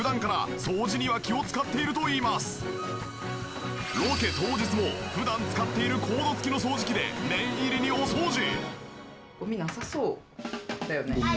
そのためロケ当日も普段使っているコード付きの掃除機で念入りにお掃除。